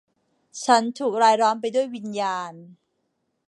ฉันถูกรายล้อมไปด้วยวิญญาณ